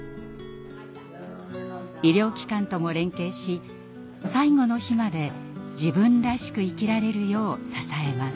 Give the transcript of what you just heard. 医療機関とも連携し最期の日まで自分らしく生きられるよう支えます。